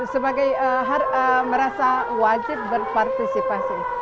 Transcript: sebagai merasa wajib berpartisipasi